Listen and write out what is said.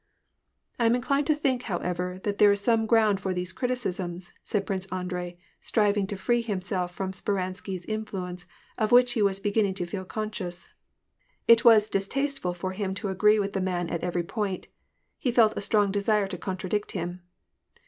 " I am inclined to think, however, that there is some gronnd for these criticisms," said Prince Andrei, striving to free him self from Speransky's influence, of which he was beginning to feel conscious. It was distasteful for him to agree with the man at every point : he felt a strong desire to contradict him.